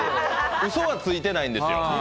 うそはついてないんですよ。